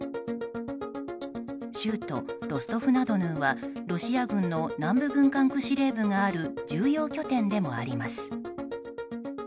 州都ロストフナドヌーはロシア軍の南部軍管区司令部がある重要拠点でもあります。